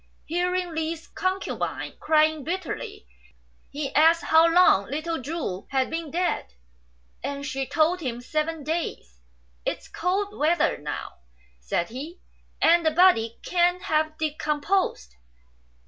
Hearing Li's concubine crying bitterly, he asked how long little Chu had been dead, and she VOL. I. L 146 STRANGE STORIES told him seven days. " It's cold weather now," said he, " and the body can't have decomposed.